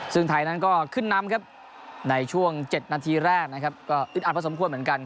ซึ่งไทยนั้นก็ขึ้นนำครับในช่วง๗นาทีแรกนะครับก็อึดอัดพอสมควรเหมือนกัน